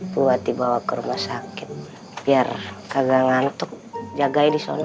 buat dibawa ke rumah sakit biar kagak ngantuk jagai di sana